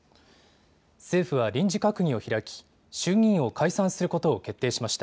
政府は臨時閣議を開き、衆議院を解散することを決定しました。